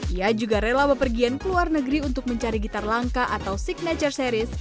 ia juga rela berpergian ke luar negeri untuk mencari gitar langka atau signature series